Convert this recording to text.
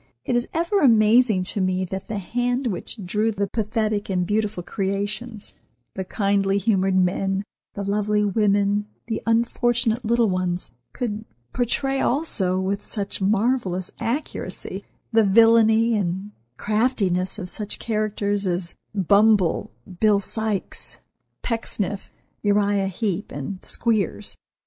It is ever amazing to me that the hand which drew the pathetic and beautiful creations, the kindly humored men, the lovely women, the unfortunate little ones, could portray also with such marvellous accuracy the villainy and craftiness of such characters as Bumble, Bill Sykes, Pecksniff, Uriah Heep and Squeers.